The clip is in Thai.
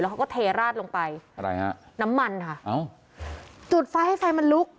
แล้วเขาก็เทราดลงไปน้ำมันค่ะจุดไฟให้ไฟมันลุก